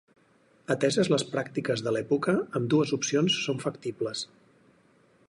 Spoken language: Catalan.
Ateses les pràctiques de l'època, ambdues opcions són factibles.